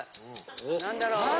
何だろう？